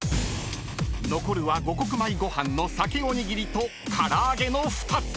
［残るは五穀米ごはんの鮭おにぎりとからあげの２つ］